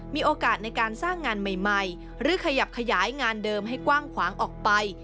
มีโอกาสในการสร้างงานใหม่หรือขยับขยายงานเดิมให้กว้างขวางออกไป